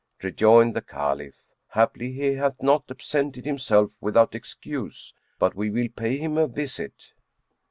'" Rejoined the Caliph, "Haply he hath not absented himself without excuse, but we will pay him a visit."